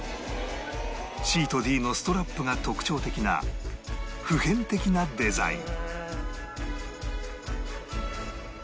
Ｃ と Ｄ のストラップが特徴的な普遍的なデザイン